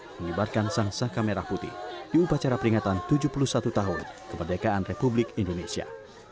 mengibarkan sangsah kamera putih di upacara peringatan tujuh puluh satu tahun kemerdekaan republik indonesia